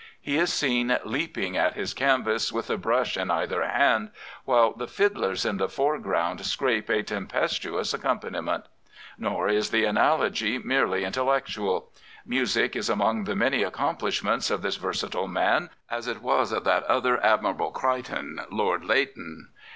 He is seen leaping at his canvas with a brush in either hand, while the fiddlers in the foreground scrape a t^Qpes* tuous accompaniment. Nor is the analogy merely 40 John Singer Sargent intellectual. Music is among the many accomplish ments of this versatile man, as it was of that other Admirable Crichton, Lord Leighton.